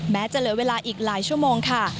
จะเหลือเวลาอีกหลายชั่วโมงค่ะ